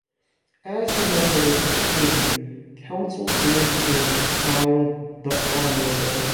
As a Member of the Privy Council Danson was styled "The Honourable".